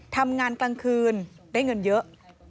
ทำงานกลางคืนได้เงินเยอะ